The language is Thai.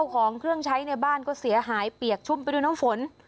ของเครื่องใช้ในบ้านก็เสียหายเปียกชุ่มไปด้วยน้ำฝน